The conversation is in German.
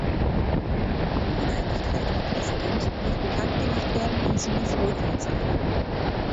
Die Uneinigkeit, Herr Präsident, muss bekannt gemacht werden, und sie muss Wirkungen zeigen.